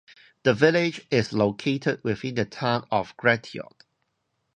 The village is located within the Town of Gratiot.